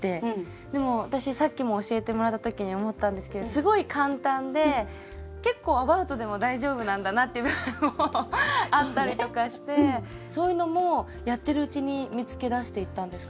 でも私さっきも教えてもらった時に思ったんですけどすごい簡単で結構アバウトでも大丈夫なんだなって部分もあったりとかしてそういうのもやってるうちに見つけ出していったんですか？